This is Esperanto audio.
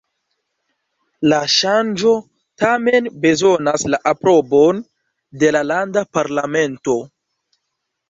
La ŝanĝo tamen bezonas la aprobon de la landa parlamento.